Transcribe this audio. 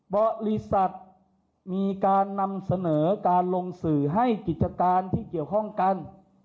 บริษัทมีการนำเสนอการลงสื่อให้กิจการที่เกี่ยวข้องกัน